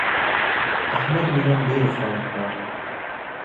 احمد مې نن ډېر خړ کړ.